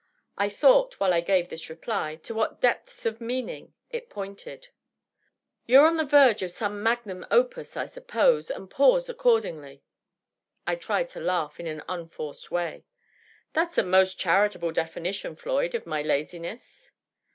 I thought, while I gave this reply, to what depths of meaning it pointed. " You're on the verge of some magmm apus^ I suppose, and pause accordingly." I tried to laugh in an unforced way. " Thaf s a most charitable definition, Floyd, of my laziness."